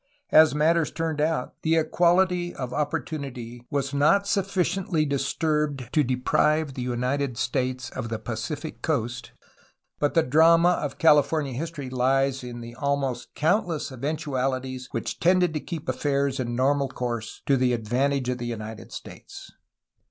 As matters turned out, the equality of oppor tunity was not sufficiently disturbed to deprive the United States of the Pacific coast, but the drama of California his tory lies in the almost countless eventualities which tended to keep affairs in normal course, to the advantage of the United States.